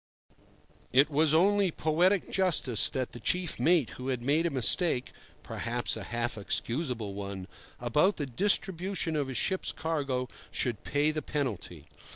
It was only poetic justice that the chief mate who had made a mistake—perhaps a half excusable one—about the distribution of his ship's cargo should pay the penalty.